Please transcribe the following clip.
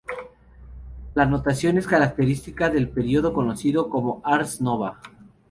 La notación es característica del período conocido como "ars nova".